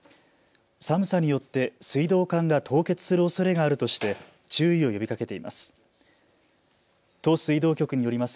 寒さによって水道管が凍結するおそれがあるとして注意を呼びかけています。